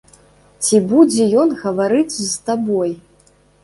Ці будзе ён гаварыць з табой?